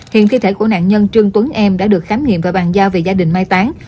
hiện thi thể của nạn nhân trương tuấn em đã được khám nghiệm và bàn giao về gia đình mai tán